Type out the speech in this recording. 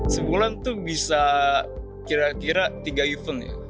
sebulan itu bisa kira kira tiga event ya